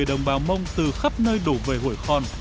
đồng bào mông từ khắp nơi đổ về hủy khon